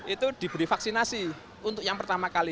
itu diberi vaksinasi untuk yang pertama kali